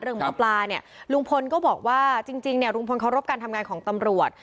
หมอปลาเนี่ยลุงพลก็บอกว่าจริงเนี่ยลุงพลเคารพการทำงานของตำรวจ